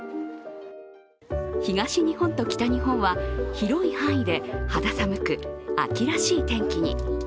東日本と北日本は、広い範囲で肌寒く、秋らしい天気に。